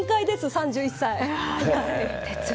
３１歳。